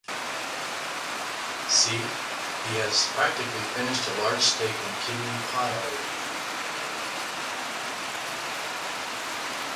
See, he has practically finished a large steak-and-kidney pie already.